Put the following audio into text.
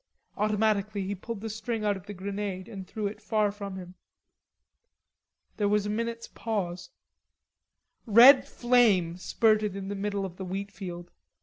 Automatically he pulled the string out of the grenade and threw it far from him. There was a minute's pause. Red flame spurted in the middle of the wheatfield.